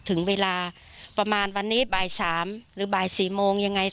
ถึงเวลาประมาณวันนี้บ่าย๓หรือบ่าย๔โมงยังไง